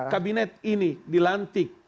kabinet ini dilantik